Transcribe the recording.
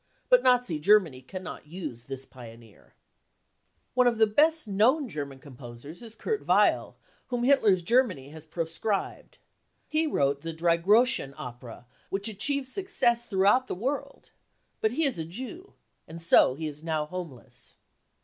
But Nazi Germany cannot use this pioneer, i One of the best known German composers is Kurt Weill, ' whom Hitler's Germany has proscribed. He wrote the Dreigroschen opera, which achieved success throughout the world. But he is a Jew, and so he is now homeless.